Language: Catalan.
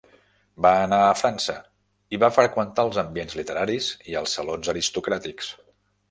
Va anar a França, i va freqüentar els ambients literaris i els salons aristocràtics.